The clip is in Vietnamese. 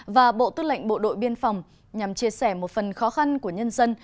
và bộ tư lệnh bộ đội biên phòng nhằm chia sẻ một phần khó khăn của nhân dân